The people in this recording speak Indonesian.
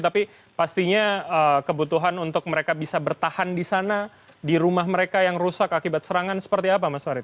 tapi pastinya kebutuhan untuk mereka bisa bertahan di sana di rumah mereka yang rusak akibat serangan seperti apa mas farid